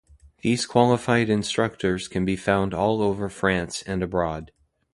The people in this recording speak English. These qualified instructors can be found all over France and abroad.